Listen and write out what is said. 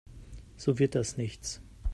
So wird das nichts.